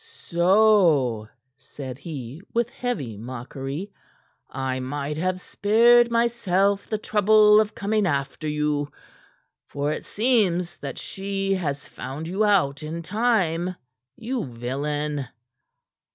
"So!" said he, with heavy mockery. "I might have spared myself the trouble of coming after you. For it seems that she has found you out in time, you villain!"